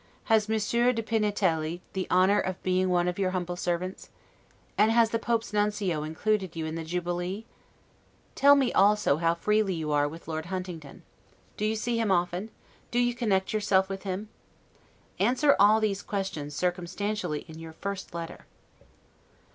Has Monsieur de Pignatelli the honor of being one of your humble servants? And has the Pope's nuncio included you in the jubilee? Tell me also freely how you are with Lord Huntingdon: Do you see him often? Do you connect yourself with him? Answer all these questions circumstantially in your first letter.